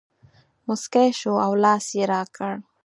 مسکی شو او لاس یې راکړ.